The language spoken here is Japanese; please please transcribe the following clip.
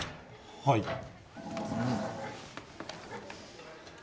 はい。